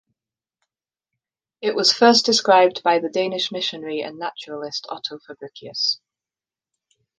It was first described by the Danish missionary and naturalist Otto Fabricius.